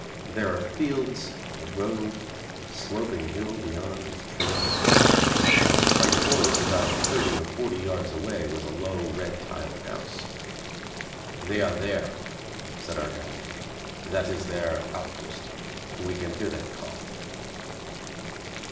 There are fields, a road, a sloping hill beyond with trees. Quite close, about thirty or forty yards away, was a low, red tiled house. 'They are there,' said our guide. 'That is their outpost. We can hear them cough.'